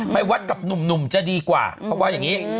ไว้วัดกับหนุ่มจะดีกว่าประมาณอย่างนี้